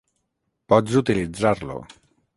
Pots utilitzar-lo.